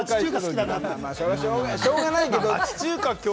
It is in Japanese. しょうがないけれど。